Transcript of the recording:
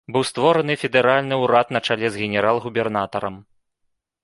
Быў створаны федэральны ўрад на чале з генерал-губернатарам.